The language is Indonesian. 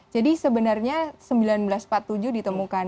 jadi sebenarnya seribu sembilan ratus empat puluh tujuh ditemukan